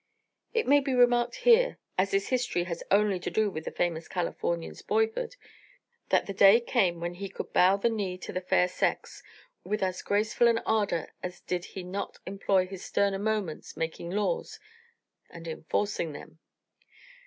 (It may be remarked here, as this history has only to do with the famous Californian's boyhood, that the day came when he could bow the knee to the fair sex with as graceful an ardour as did he not employ his sterner moments making laws and enforcing them.)